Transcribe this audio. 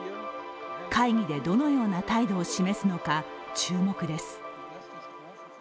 会議でどのような態度を示すのか注目です。